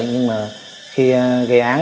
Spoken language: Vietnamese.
nhưng mà khi gây án